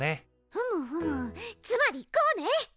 ふむふむつまりこうね！